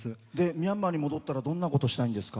ミャンマーに戻ったらどんなことがしたいんですか？